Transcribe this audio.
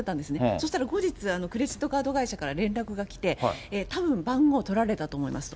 そしたら、後日クレジットカード会社から連絡が来て、たぶん、番号取られたと思います。